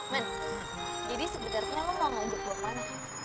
men jadi sebenernya lo mau ngajak gue ke mana